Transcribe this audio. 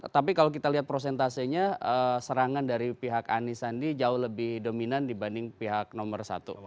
tapi kalau kita lihat prosentasenya serangan dari pihak ani sandi jauh lebih dominan dibanding pihak nomor satu